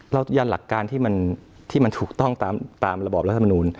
ยันหลักการที่มันถูกต้องตามระบอบรัฐมนูล